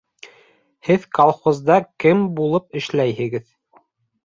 Һеҙ колхозда кем булып эшләйһегеҙ?